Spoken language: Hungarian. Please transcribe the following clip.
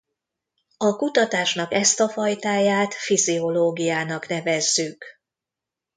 A kutatásnak ezt a fajtáját fiziológiának nevezzük.